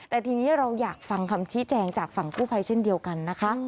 แต่ทีนี้เราอยากฟังคำชี้แจงจากฝั่งกู้ภัยเช่นเดียวกันนะคะ